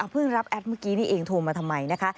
รับแอดเมื่อกี้นี่เองโทรมาทำไมนะคะ